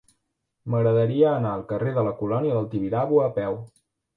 M'agradaria anar al carrer de la Colònia del Tibidabo a peu.